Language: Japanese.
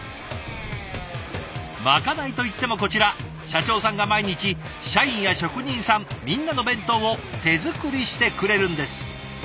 まかないといってもこちら社長さんが毎日社員や職人さんみんなの弁当を手作りしてくれるんです。